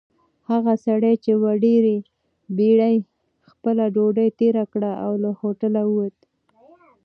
هغه سړي په ډېرې بېړۍ خپله ډوډۍ تېره کړه او له هوټله ووت.